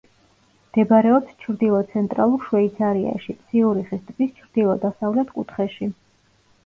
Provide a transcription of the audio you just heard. მდებარეობს ჩრდილო-ცენტრალურ შვეიცარიაში, ციურიხის ტბის ჩრდილო-დასავლეთ კუთხეში.